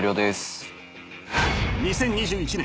［２０２１年